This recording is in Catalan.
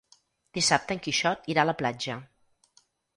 Dissabte en Quixot irà a la platja.